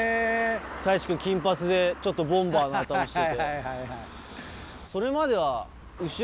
太一君金髪でちょっとボンバーな頭してて。